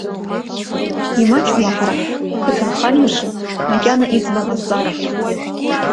Имаҷума ҳара ҳқыҭанхамҩаҿы макьана иӡбам азҵаарақәа?